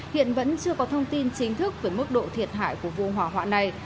hiện vẫn chưa có thông tin chính thức về mức độ thiệt hại của vụ hỏa hoạn này